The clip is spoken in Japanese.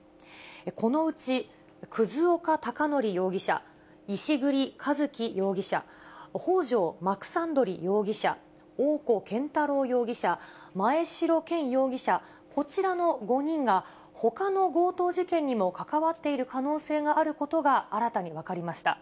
このうち、葛岡隆憲容疑者、石栗一樹容疑者、北条マクサンドリ容疑者、大古健太郎容疑者、真栄城健容疑者、こちらの５人がほかの強盗事件にも関わっている可能性があることが新たに分かりました。